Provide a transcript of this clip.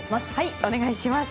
お願いします。